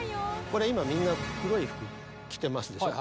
これ今みんな黒い服着てますでしょ。